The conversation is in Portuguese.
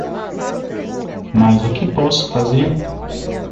Mas o que posso fazer?